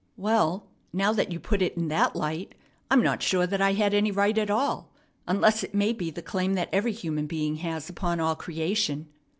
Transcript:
"Well, now that you put it in that light, I'm not sure that I had any right at all, unless it may be the claim that every human being has upon all creation."